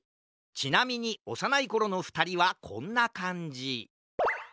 ちなみにおさないころのふたりはこんなかんじ。